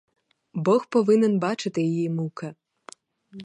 Бог повинен бачити її муки.